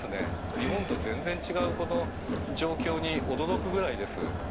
日本と全然違う、この状況に驚くぐらいです。